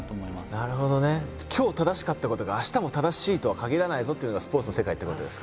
じゃあ今日正しかったことが明日も正しいとはかぎらないぞというのがスポーツの世界ってことですか？